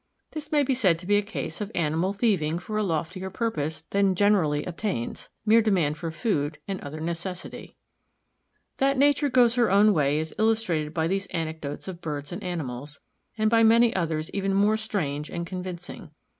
This may be said to be a case of animal thieving for a loftier purpose than generally obtains, mere demand for food and other necessity. That nature goes her own way is illustrated by these anecdotes of birds and animals, and by many others even more strange and convincing.